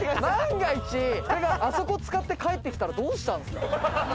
万が一俺があそこ使って帰ってきたらどうしたんですか？